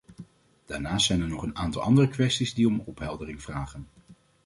Daarnaast zijn er nog een aantal andere kwesties die om opheldering vragen.